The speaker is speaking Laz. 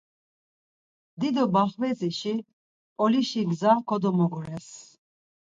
Dido baxvetzişi Mp̌olişi gza kodomogures.